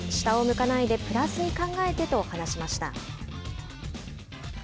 下を向かないで、プラスに考えてと話しました。